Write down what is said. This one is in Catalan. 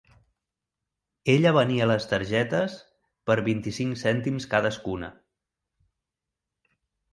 Ella venia les targetes per vint-i-cinc cèntims cadascuna.